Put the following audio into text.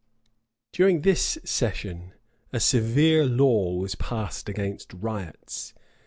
During this session, a severe law was passed against riots.